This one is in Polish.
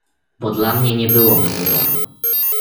"Bo dla mnie nie byłoby wyboru."